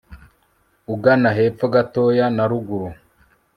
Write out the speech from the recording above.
ugana hepfo gatoya na ruguru